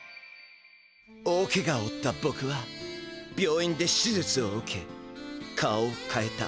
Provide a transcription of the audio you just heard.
大ケガを負ったぼくは病院で手じゅつを受け顔をかえた。